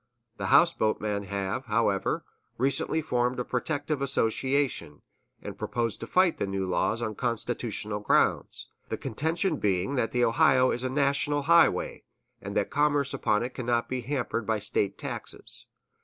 The houseboat men have, however, recently formed a protective association, and propose to fight the new laws on constitutional grounds, the contention being that the Ohio is a national highway, and that commerce upon it cannot be hampered by State taxes.